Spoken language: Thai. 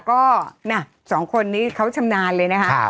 ก็สองคนนี้เขาชำนาญเลยนะคะ